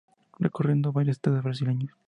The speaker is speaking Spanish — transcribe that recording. Recorriendo varios estados brasileños.